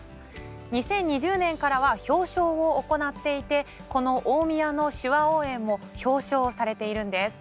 ２０２０年からは表彰を行っていてこの大宮の手話応援も表彰されているんです。